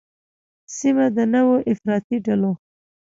سیمه د نوو افراطي ډلو